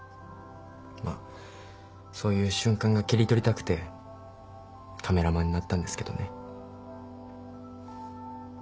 まあそういう瞬間が切り取りたくてカメラマンになったんですけどね。